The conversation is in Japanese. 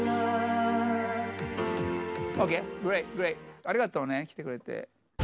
ありがとうね、来てくれて。